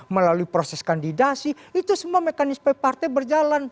melalui proses kandidasi itu semua mekanisme partai berjalan